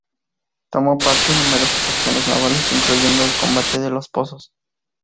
Tomó parte en numerosas acciones navales, incluyendo el combate de los Pozos.